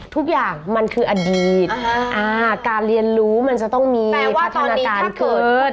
ทุกอย่างมันคืออดีตอ่าการเรียนรู้มันจะต้องมีพัฒนาการขึ้นแปลว่าตอนนี้ถ้าเกิด